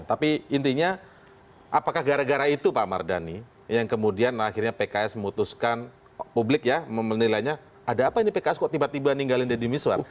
tapi intinya apakah gara gara itu pak mardhani yang kemudian akhirnya pks memutuskan publik ya menilainya ada apa ini pks kok tiba tiba ninggalin deddy miswar